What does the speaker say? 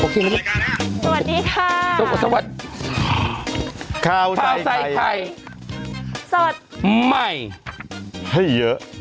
สวัสดีค่ะสวัสดีค่ะข้าวใส่ไข่ข้าวใส่ไข่สดใหม่ให้เยอะ